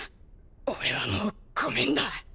俺はもうごめんだ。